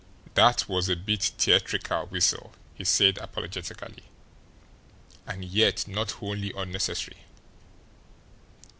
"That WAS a bit theatrical, Weasel," he said apologetically; "and yet not wholly unnecessary.